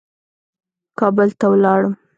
کابل ته ولاړم.